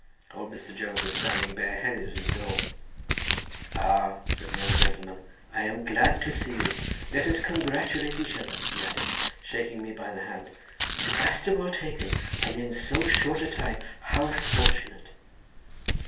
Old Mr. Jones was standing bareheaded at his door. "Ah," said the old gentleman, "I am glad to see you. Let us congratulate each other," he added, shaking me by the hand. "Sebastopol taken, and in so short a time. How fortunate!"